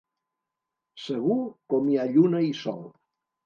Segur com hi ha lluna i sol.